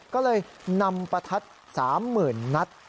ก็เลยนำประทัด๓๐๐๐นัด